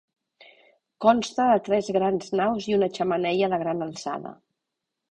Consta de tres grans naus i una xemeneia de gran alçada.